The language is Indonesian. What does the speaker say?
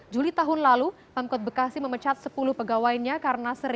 juli tahun lalu pemkot bekasi memecat sepuluh pegawainya